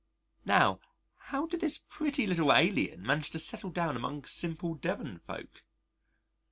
Now how did this pretty little alien manage to settle down among simple Devon folk?